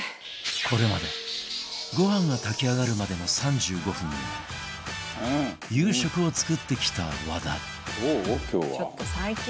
これまでご飯が炊き上がるまでの３５分で夕食を作ってきた和田